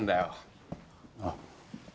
あっ。